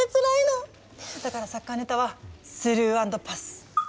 だからサッカーネタはスルー＆パス。